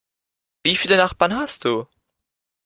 Wie viele Nachbarn hast du?